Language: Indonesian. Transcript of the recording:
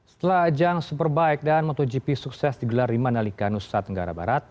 setelah ajang superbike dan motogp sukses digelar di mandalika nusa tenggara barat